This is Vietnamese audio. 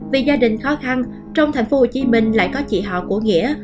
vì gia đình khó khăn trong tp hcm lại có chị họ của nghĩa